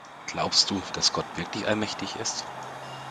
Glaubst du, dass Gott wirklich allmächtig ist?